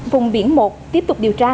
vùng biển một tiếp tục điều tra